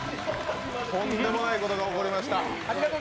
とんでもないことが起こりました。